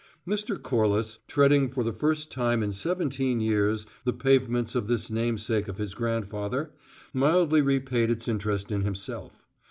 Mr. Corliss, treading for the first time in seventeen years the pavements of this namesake of his grandfather, mildly repaid its interest in himself.